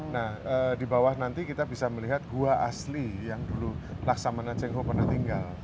nah dibawah nanti kita bisa melihat gua asli yang dulu laksamana cengkong pernah tinggal